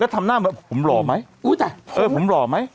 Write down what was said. แล้วทำหน้าเหมือนผมหล่อไหมเออผมหล่อไหม